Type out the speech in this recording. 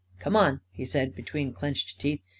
44 Come on," he said, between clenched teeth.